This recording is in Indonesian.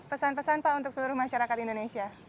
pesan pesan pak untuk seluruh masyarakat indonesia